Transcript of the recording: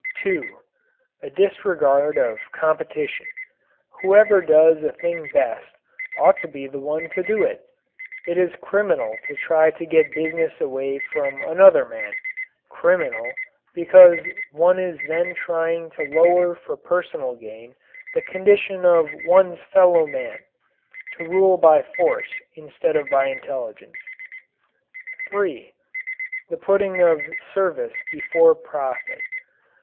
2. A disregard of competition. Whoever does a thing best ought to be the one to do it. It is criminal to try to get business away from another man criminal because one is then trying to lower for personal gain the condition of one's fellow man to rule by force instead of by intelligence. 3. The putting of service before profit.